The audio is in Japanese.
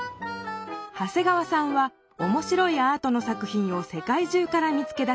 長谷川さんはおもしろいアートの作品を世界中から見つけ出し